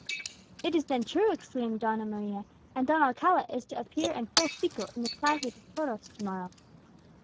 "It is then true!" exclaimed Donna Maria, "and Don Alcala is to appear in full fico in the Plaza de Toros to morrow!"